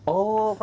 oh kenapa bu